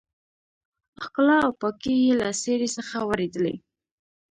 ښکلا او پاکي يې له څېرې څخه ورېدلې.